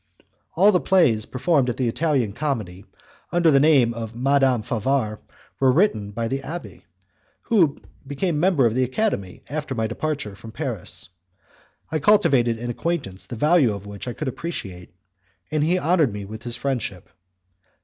All the plays performed at the Italian Comedy, under the name of Madame Favart, were written by the abbé, who became member of the Academie after my departure from Paris. I cultivated an acquaintance the value of which I could appreciate, and he honoured me with his friendship.